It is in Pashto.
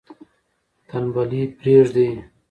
تنبلي پریږدئ.